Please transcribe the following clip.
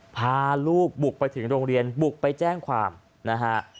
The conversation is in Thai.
พาลูกบุกไปถึงโรงเรียนบุกไปแจ้งความนะฮะ